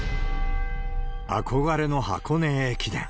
憧れの箱根駅伝。